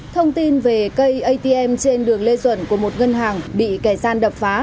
thông tin về cây atm trên đường lê duẩn của một ngân hàng bị kẻ gian đập phá